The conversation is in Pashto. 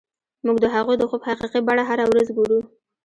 موږ د هغوی د خوب حقیقي بڼه هره ورځ ګورو